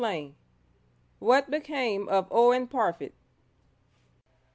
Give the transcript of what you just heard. _] _WHAT BECAME OF OWEN PARFITT?